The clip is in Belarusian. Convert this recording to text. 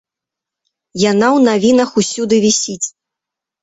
Яна ў навінах усюды вісіць.